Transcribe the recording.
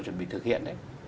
chuẩn bị thực hiện